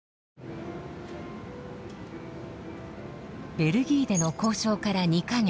ベルギーでの交渉から２か月。